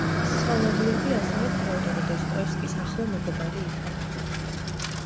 სოლოვიოვი ასევე თედორე დოსტოევსკის ახლო მეგობარი იყო.